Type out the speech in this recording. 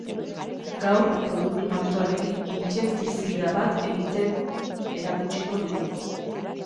Gaur, produktu naturalekin intsektizida bat egiten erakutsiko digu.